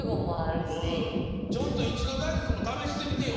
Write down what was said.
ちょっとイチゴだいふくもためしてみてよ。